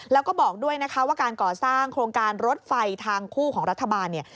แล้วก็บอกด้วยนะคะว่าการก่อสร้างโครงการรถไฟทางคู่ของรัฐบาลเนี่ย